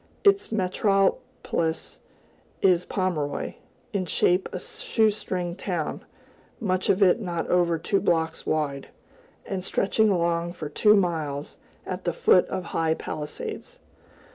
Its metropolis is Pomeroy, in shape a "shoe string" town, much of it not over two blocks wide, and stretching along for two miles, at the foot of high palisades.